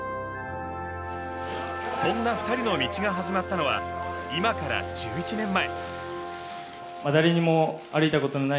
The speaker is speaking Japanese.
そんな２人の道が始まったのは今から１１年前。